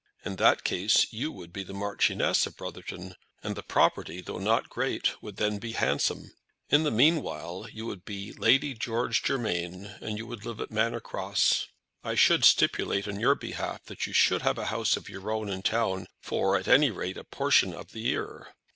In that case you would be the Marchioness of Brotherton, and the property, though not great, would then be handsome. In the meanwhile you would be Lady George Germain, and would live at Manor Cross. I should stipulate on your behalf that you should have a house of your own in town, for, at any rate, a portion of the year.